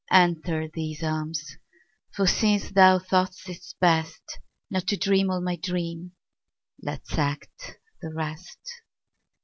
Enter these arms, for since thou thought'st it bestNot to dream all my dream, let's act the rest.